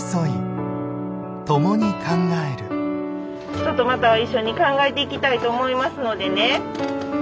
ちょっとまた一緒に考えていきたいと思いますのでね。